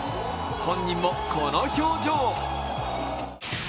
本人もこの表情。